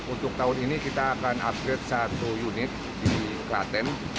untuk tahun ini kita akan upgrade satu unit di klaten